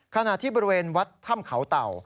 ขณะที่บริเวณวัดถ้ำเขาเต่า